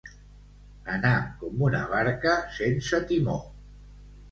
Anar com una barca sense timó.